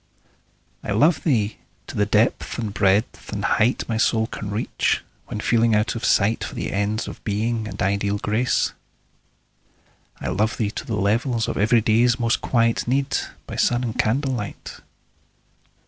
I love thee to the depth and breadth and height My soul can reach, when feeling out of sight For the ends of Being and ideal Grace. I love thee to the level of everyday's Most quiet need, by sun and candlelight.